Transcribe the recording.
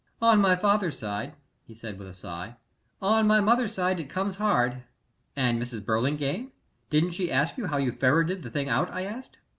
"On my father's side," he said, with a sigh. "On my mother's side it comes hard." "And Mrs. Burlingame didn't she ask you how you ferreted the thing out?" I asked.